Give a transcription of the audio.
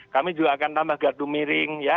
kami juga akan tambah gardu miring ya